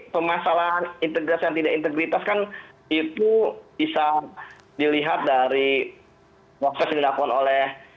permasalahan integritas dan tidak integritas kan itu bisa dilihat dari proses yang dilakukan oleh